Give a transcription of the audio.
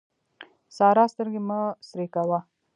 سارا سترګې مه سرې کوه.